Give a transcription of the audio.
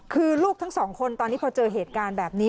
คือลูกทั้งสองคนตอนนี้พอเจอเหตุการณ์แบบนี้